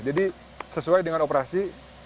jadi sesuai dengan operasi